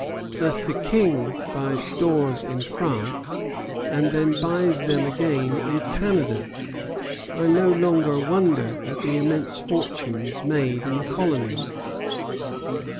Thus the King buys stores in France, and then buys them again in Canada. I no longer wonder at the immense fortunes made in the colony."